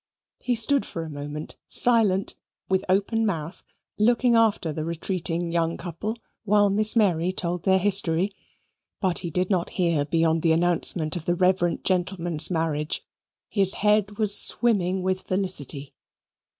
He stood for a moment, silent, with open mouth, looking after the retreating young couple, while Miss Mary told their history; but he did not hear beyond the announcement of the reverend gentleman's marriage; his head was swimming with felicity.